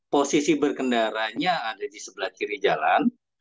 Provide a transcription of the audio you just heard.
posisi berkendaranya ada di sebelah kiri jalan